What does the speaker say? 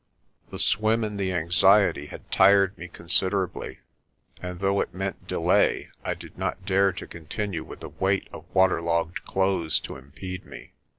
The swim and the anxiety had tired me considerably, and though it meant delay I did not dare to continue with the weight of waterlogged clothes to impede me.